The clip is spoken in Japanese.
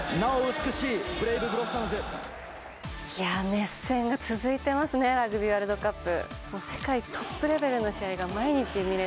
熱戦が続いてますねラグビーワールドカップ。